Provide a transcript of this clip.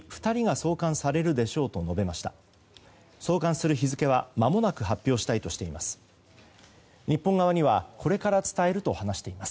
送還する日付はまもなく発表したいとしています。